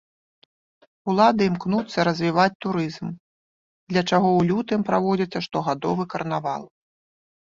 Улады імкнуцца развіваць турызм, для чаго ў лютым праводзіцца штогадовы карнавал.